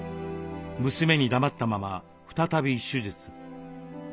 娘に黙ったまま再び手術。